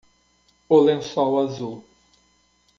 O lençol azul.